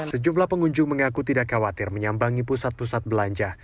sejumlah pengunjung mengaku tidak khawatir menyambangi pusat pusat belanja